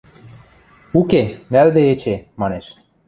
– Уке, нӓлде эче, – манеш.